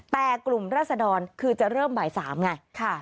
แต่กลุ่มรัศดรคือจะเริ่มบ่าย๓ไง